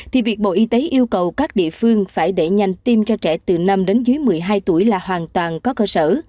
thì việc bộ y tế yêu cầu các địa phương phải đẩy nhanh tiêm cho trẻ từ năm đến dưới một mươi hai tuổi là hoàn toàn có cơ sở